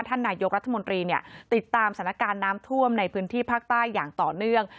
ท่านนายกรัฐมนตรีเนี่ยติดตามสถานการณ์น้ำท่วมในพื้นที่ภาคใต้อย่างต่อเนื่อง